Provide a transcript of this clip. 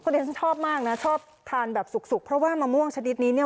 ดิฉันชอบมากนะชอบทานแบบสุกเพราะว่ามะม่วงชนิดนี้เนี่ย